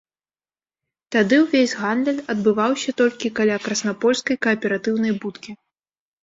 Тады ўвесь гандаль адбываўся толькі каля краснапольскай кааператыўнай будкі.